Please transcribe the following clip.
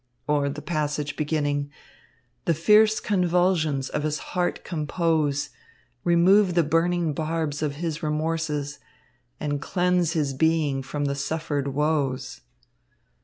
or the passage beginning: 'The fierce convulsions of his heart compose; Remove the burning barbs of his remorses, And cleanse his being from the suffered woes!'